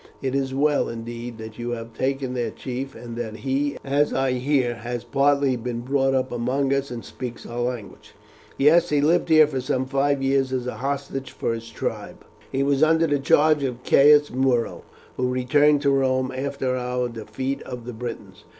It is well, indeed, that you have taken their chief, and that he, as I hear, has partly been brought up among us and speaks our language." "Yes, he lived here for some five years as a hostage for his tribe. He was under the charge of Caius Muro, who returned to Rome after our defeat of the Britons.